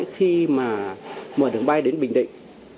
khi mà mở đường bay đến bình định